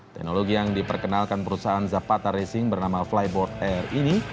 teknologi yang diperkenalkan perusahaan zapata racing bernama flyboard air ini